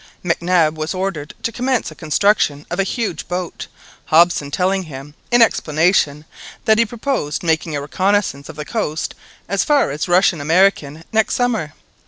Mac Nab was ordered to commence the construction of a huge boat, Hobson telling him, in explanation, that he proposed making a reconnaissance of the coast as far as Russian America next summer.